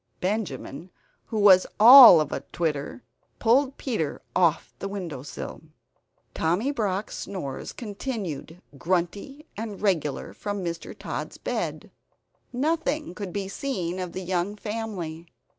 Benjamin, who was all of atwitter, pulled Peter off the windowsill. Tommy Brock's snores continued, grunty and regular from Mr. Tod's bed. Nothing could be seen of the young family.